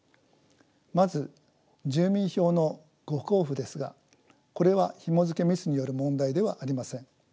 まず住民票の誤交付ですがこれはひもづけミスによる問題ではありません。